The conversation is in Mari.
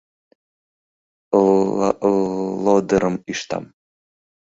Л-л-лодырым ӱштам.